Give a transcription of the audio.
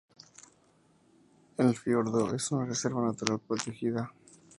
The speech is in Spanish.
El fiordo es una reserva natural protegida.